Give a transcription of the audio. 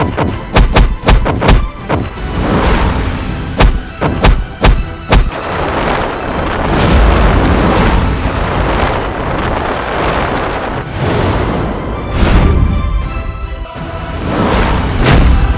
aku akan membuatmu mati